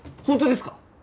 本当ですか？